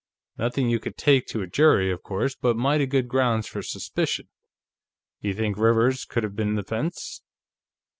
"Nothing you could take to a jury, of course, but mighty good grounds for suspicion.... You think Rivers could have been the fence?"